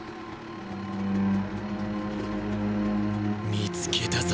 見つけたぞ。